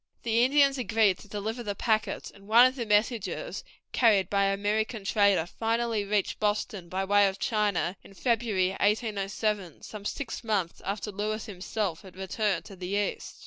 The Indians agreed to deliver the packets, and one of the messages, carried by an American trader, finally reached Boston by way of China in February, 1807, some six months after Lewis himself had returned to the East.